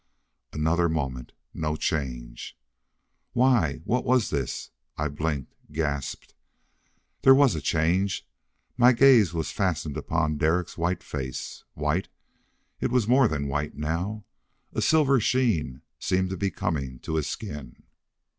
Another moment. No change. Why, what was this? I blinked, gasped. There was a change! My gaze was fastened upon Derek's white face. White? It was more than white now! A silver sheen seemed to be coming to his skin!